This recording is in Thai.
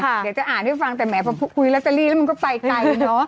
เดี๋ยวจะอ่านให้ฟังแต่แหมพอคุยลอตเตอรี่แล้วมันก็ไปไกลเนอะ